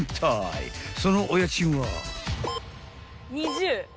［そのお家賃は］